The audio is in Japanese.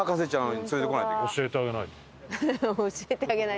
「教えてあげないと」。